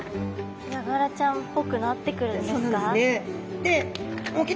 ヤガラちゃんっぽくなってくるんですか？